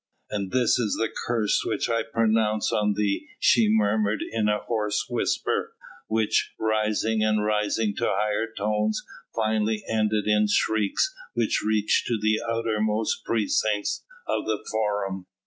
"And this is the curse which I pronounce on thee," she murmured in a hoarse whisper, which, rising and rising to higher tones, finally ended in shrieks which reached to the outermost precincts of the Forum.